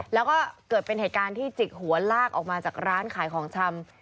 แล้วก็เกิดเป็นเหตุการณ์ที่จิกหัวลากออกมาจากร้านขายของชำ